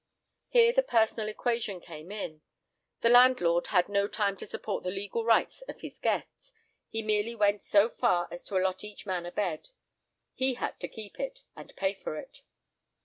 Here the personal equation came in. The landlord had no time to support the legal rights of his guests. He merely went so far as to allot each man a bed. He had to keep it and pay for it.